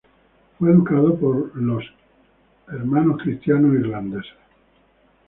Fue educado por los Irish Christian Brothers.